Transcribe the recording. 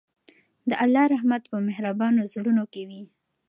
د الله رحمت په مهربانو زړونو کې وي.